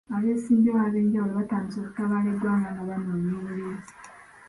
Abeesimbyewo ab'enjawulo batandise okutabaala eggwanga nga banoonya obululu.